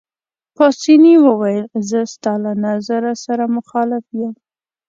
پاسیني وویل: زه ستا له نظر سره مخالف یم.